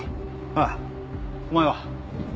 ああお前は？